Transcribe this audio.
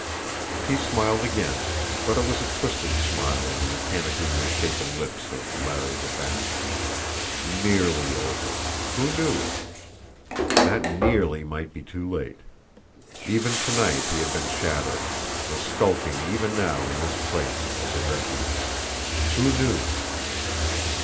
He smiled again, but it was a twisted smile on the mechanically misshapen lips of Larry the Bat. NEARLY over! Who knew? That "nearly" might be too late! Even tonight he had been shadowed, was skulking even now in this place as a refuge. Who knew?